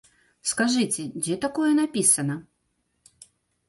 Скажыце, дзе такое напісана?